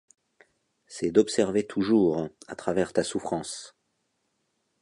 C’est d’observer toujours, à travers ta souffrance